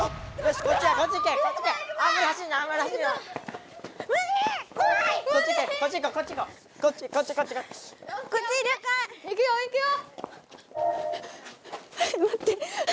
こっち行くか。